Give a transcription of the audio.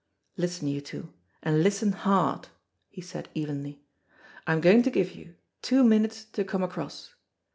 "Listen, you two and listen fiard!" he said evenly. "I'm going to give you two minutes to come across.